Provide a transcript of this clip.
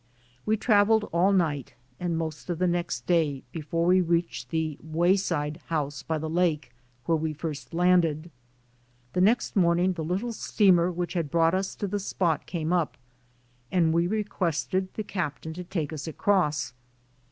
We traveled all night and most of the next day before we reached the "wayside house" by the lake, where we had first landed. The next morning the little steamer which had brought us to the spot came up and we requested the captain to take us across.